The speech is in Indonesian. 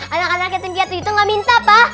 anak anak ketemikat itu nggak minta pak